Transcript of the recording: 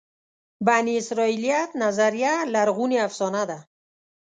بني اسرائیلیت نظریه لرغونې افسانه ده.